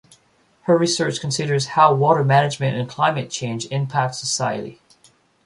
Her research considers how water management and climate change impact society.